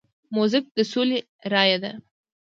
موزیک د سولې رایه ده.